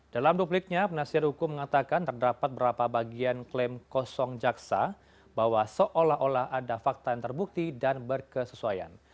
dalam dupliknya penasihat hukum mengatakan terdapat beberapa bagian klaim kosong jaksa bahwa seolah olah ada fakta yang terbukti dan berkesesuaian